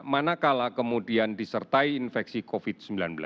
manakala kemudian disertai infeksi covid sembilan belas